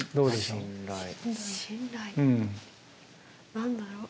何だろう。